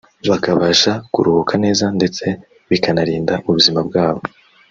bakabasha kuruhuka neza ndetse bikanarinda ubuzima bwabo